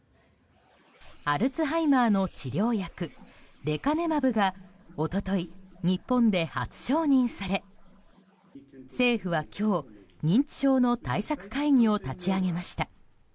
アルツハイマーの治療薬レカネマブが一昨日、日本で初承認され政府は今日、認知症の対策会議を立ち上げました。